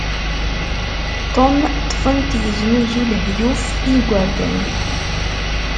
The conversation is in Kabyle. Tom ṭṭfen-t yeznuzu lehyuf i igerdan.